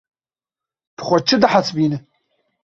Tu xwe çi dihesibînî?